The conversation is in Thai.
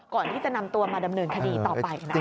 ก่อนที่จะนำตัวมาดำเนินคดีต่อไปนะคะ